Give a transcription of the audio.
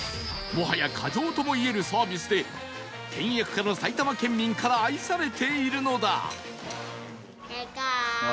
もはや過剰ともいえるサービスで倹約家の埼玉県民から愛されているのだ